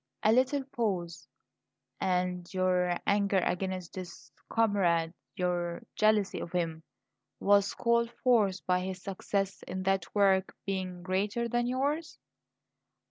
A little pause. "And your anger against this comrade, your jealousy of him, was called forth by his success in that work being greater than yours?"